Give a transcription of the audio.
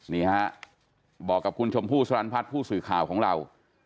นี่ฮะบอกกับคุณชมพู่สรรพัฒน์ผู้สื่อข่าวของเรา